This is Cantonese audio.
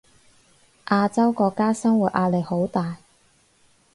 亞洲國家生活壓力好大